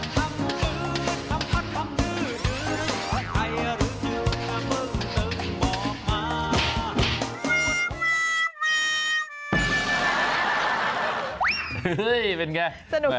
ทำมืดทำมัดทำดื้อดื้อใครหรือชื่อแต่มึงตึงบอกมา